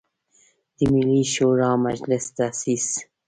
د ملي شوری مجلس تاسیس.